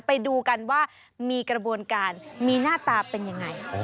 ไปดูกันว่ามีกระบวนการมีหน้าตาเป็นยังไง